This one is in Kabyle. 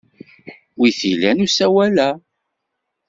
Wi t-ilan usawal-a?